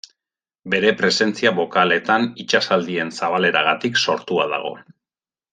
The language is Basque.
Bere presentzia bokaleetan, itsasaldien zabaleragatik sortua dago.